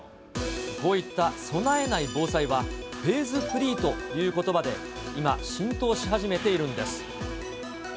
こういった備えない防災は、フェーズフリーということばで今、浸透し始めているんです。